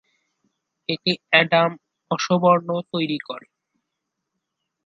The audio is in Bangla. এটি অ্যাডাম অসবর্ন তৈরী করেন।